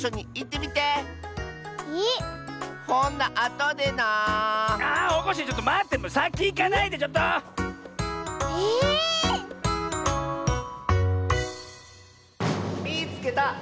⁉「みいつけた！